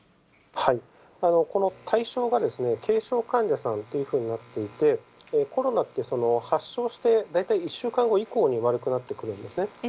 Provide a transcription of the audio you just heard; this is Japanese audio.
この対象が軽症患者さんというふうになっていて、コロナって、発症して大体１週間後以降に悪くなってくるんですね。